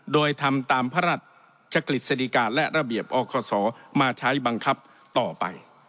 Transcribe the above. โดยทำตามพระราชกฤษฎิกาและระเบียบอคศมาใช้บังคับต่อไป